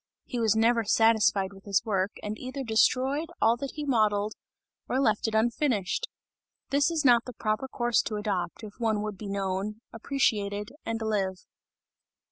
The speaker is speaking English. He was never satisfied with his work and either destroyed all that he modeled or left it unfinished; this is not the proper course to adopt, if one would be known, appreciated and live.